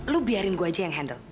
lu biarin gue aja yang handle